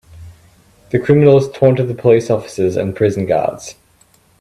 The criminals taunted the police officers and prison guards.